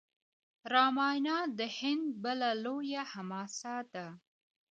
راماینا د هند بله لویه حماسه ده.